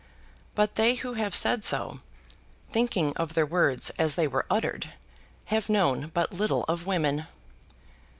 But they who have said so, thinking of their words as they were uttered, have known but little of women.